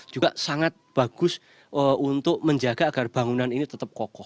juga sangat bagus untuk menjaga agar bangunan ini tetap kokoh